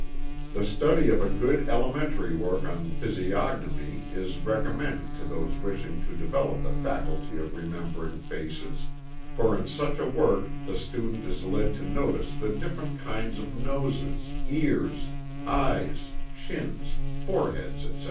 The study of a good elementary work on physiognomy is recommended to those wishing to develop the faculty of remembering faces, for in such a work the student is led to notice the different kinds of noses, ears, eyes, chins, foreheads, etc.